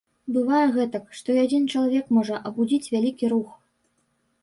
Бывае гэтак, што і адзін чалавек можа абудзіць вялікі рух.